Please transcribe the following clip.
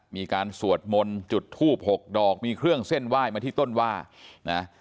มีการสวดมนต์จุดทูบหกดอกมีเครื่องเส้นไหว้มาที่ต้นว่านะ